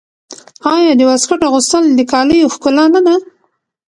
آیا د واسکټ اغوستل د کالیو ښکلا نه ده؟